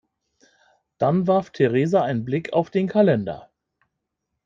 Dann warf Theresa einen Blick auf den Kalender.